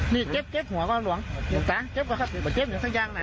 นี่เจ็บเจ็บหัวก่อนหลวงหลวงตาเจ็บก่อนครับเจ็บหนึ่งสักอย่างหน่อย